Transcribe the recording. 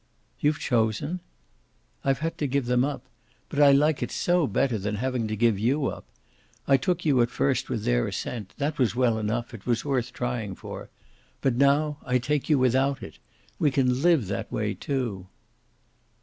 "You've chosen?" "I've had to give them up. But I like it so better than having to give YOU up! I took you first with their assent. That was well enough it was worth trying for. But now I take you without it. We can live that way too."